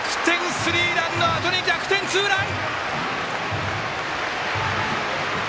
スリーランのあとに逆転ツーラン！